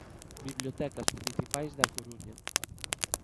Bibliotecas Municipais da Coruña.